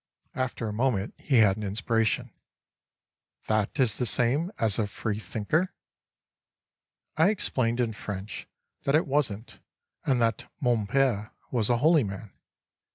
After a moment he had an inspiration: "That is the same as a Free Thinker?"—I explained in French that it wasn't and that mon père was a holy man.